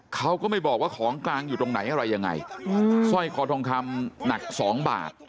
เขาก็ไม่บอกว่าของกลางอยู่ตรงไหนอะไรยังไงสร้อยคอทองคำหนักสองบาท